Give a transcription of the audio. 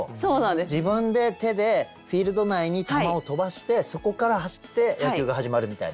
自分で手でフィールド内に球を飛ばしてそこから走って野球が始まるみたいな。